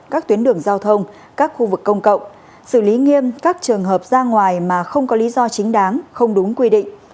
các tuyến đường giao thông các khu vực công cộng xử lý nghiêm các trường hợp ra ngoài mà không có lý do chính đáng không đúng quy định